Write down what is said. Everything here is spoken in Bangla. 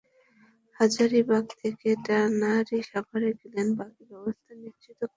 হাজারীবাগ থেকে ট্যানারি সাভারে গেলেই বাকি ব্যবস্থা নিশ্চিত করা সম্ভব হবে।